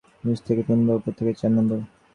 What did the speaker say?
নিচ থেকে তিন বা উপর থেকে চার নম্বর।